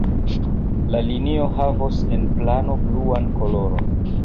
La linio havos en plano bluan koloron.